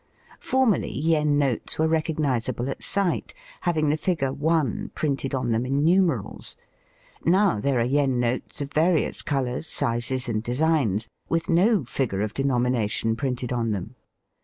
Formerly yen notes were recognizable at sight, having the figure ^* one " printed on them in numerals. Now there are yen notes of various colours, sizes, and designs, with no figure of denomination printed on them.